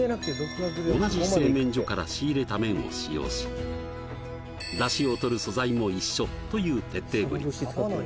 同じ製麺所から仕入れた麺を使用し出汁を取る素材も一緒という徹底ぶり